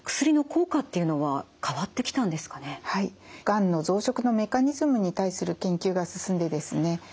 がんの増殖のメカニズムに対する研究が進んでですね